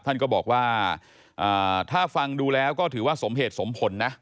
ท่านก็บอกว่าถ้าฟังดูแล้วก็ถือว่าสมเหตุสมผลนะ